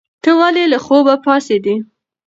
ته ولې له خوبه پاڅېدې؟